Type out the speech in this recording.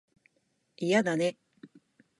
嫌だね